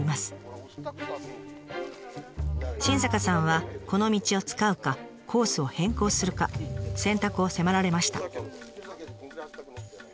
新坂さんはこの道を使うかコースを変更するか選択を迫られました。